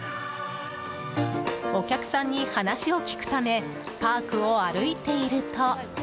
お客さんに話を聞くためパークを歩いていると。